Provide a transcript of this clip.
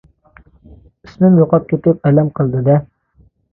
ئىسمىم يوقاپ كېتىپ ئەلەم قىلدى دە.